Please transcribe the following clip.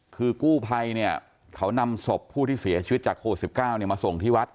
คือกู้ไพเขานำศพผู้ที่เสียชีวิตจากโคสิบเก้ามาส่งที่วัด